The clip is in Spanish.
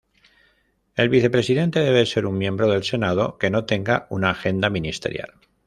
El vicepresidente debe ser un miembro del Senado que no tenga una agenda ministerial.